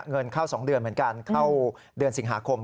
เงินเข้า๒เดือนเหมือนกันเข้าเดือนสิงหาคม